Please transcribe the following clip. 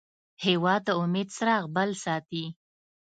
هېواد د امید څراغ بل ساتي.